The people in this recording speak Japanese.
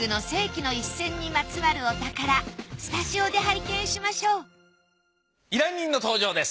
スタジオで拝見しましょう依頼人の登場です。